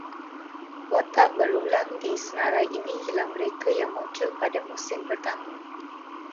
Watak berulang di senarai ini ialah mereka yang muncul pada musim pertama